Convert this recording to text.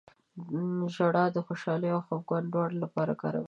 • ژړا د خوشحالۍ او خفګان دواړو لپاره کارول کېږي.